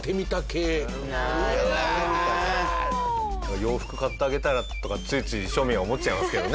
洋服買ってあげたらとかついつい庶民は思っちゃいますけどね。